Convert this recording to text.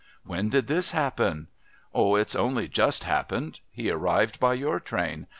"When did this happen?" "Oh, it's only just happened. He arrived by your train.